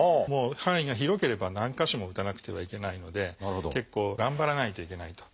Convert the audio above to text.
範囲が広ければ何か所も打たなくてはいけないので結構頑張らないといけないと。